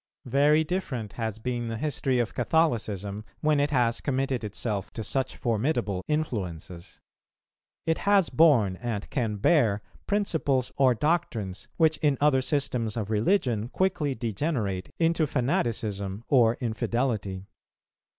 Very different has been the history of Catholicism, when it has committed itself to such formidable influences. It has borne, and can bear, principles or doctrines, which in other systems of religion quickly degenerate into fanaticism or infidelity.